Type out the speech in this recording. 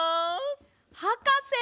はかせ！